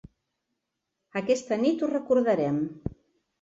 Aquesta nit ho recordarem.